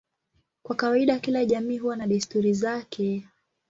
Kwa kawaida kila jamii huwa na desturi zake.